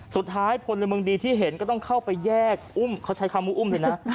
พลเมืองดีที่เห็นก็ต้องเข้าไปแยกอุ้มเขาใช้คำว่าอุ้มเลยนะ